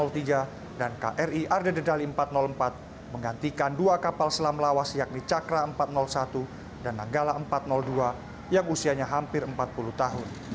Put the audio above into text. tiga dan kri arde dedali empat ratus empat menggantikan dua kapal selam lawas yakni cakra empat ratus satu dan nanggala empat ratus dua yang usianya hampir empat puluh tahun